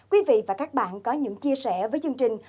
quý vị và các bạn có những chia sẻ với chương trình